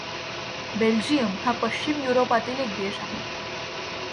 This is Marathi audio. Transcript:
बेल्जियम हा पश्चिम युरोपातील एक देश आहे.